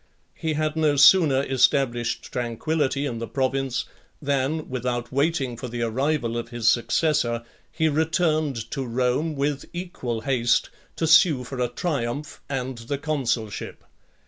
He had no (12) sooner established tranquillity in the province, than, without waiting for the arrival of his successor, he returned to Rome, with equal haste, to sue for a triumph , and the consulship.